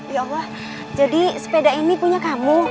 ya allah jadi sepeda ini punya kamu